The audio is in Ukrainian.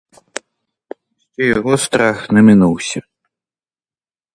Ще його страх не минувся.